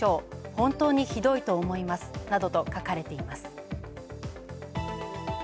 本当にひどいと思いますなどと書かれています。